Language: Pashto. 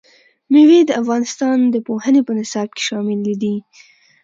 مېوې د افغانستان د پوهنې په نصاب کې شامل دي.